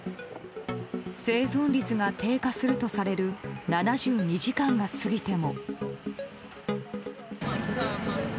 生存率が低下するとされる７２時間が過ぎても。